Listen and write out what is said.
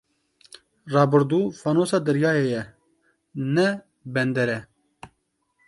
Rabirdû fanosa deryayê ye, ne bender e.